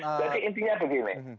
jadi intinya begini